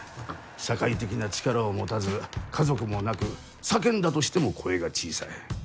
社会的な力を持たず家族もなく叫んだとしても声が小さい。